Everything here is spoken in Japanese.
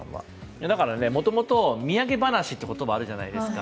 もともと土産話という言葉があるじゃないですか。